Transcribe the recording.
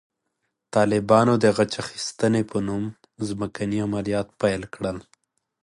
طالبانو د غچ اخیستنې په نوم ځمکني عملیات پیل کړل.